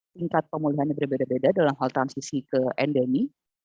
tingkat pemulihannya berbeda beda dalam hal transisi ke endemi